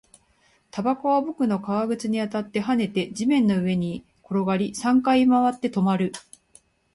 タバコは僕の革靴に当たって、跳ねて、地面の上に転がり、三回回って、止まる